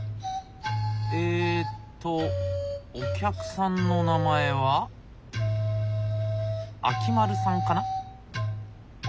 えっとお客さんの名前は秋丸さんかな？